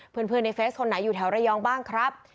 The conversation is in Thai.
เพื่อนในเฟสคนไหนอยู่แถวระยองบ้างครับ